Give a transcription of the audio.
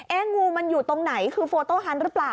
งูมันอยู่ตรงไหนคือโฟโต้ฮันต์หรือเปล่า